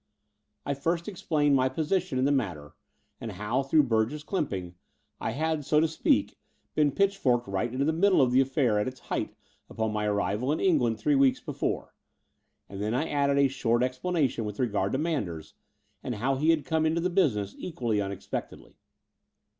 I first explained my position in the matter, and how, through Burgess Clymping, I had, so to speak, been pitchforked right into the middle of the affair at its height upon my arrival in England three weeks before; and then I added a short ex planation with regard to Manders, and how he had come into the business equally unexpectedly.